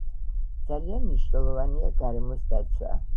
ძალიან მნიშვნელოვანია გარემოს დაცვა